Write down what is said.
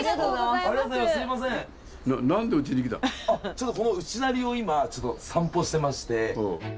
ちょっとこの内成を今ちょっと散歩してまして。